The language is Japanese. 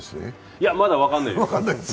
いや、まだ分からないです。